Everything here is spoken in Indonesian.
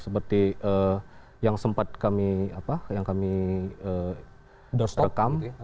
seperti yang sempat kami apa yang kami rekam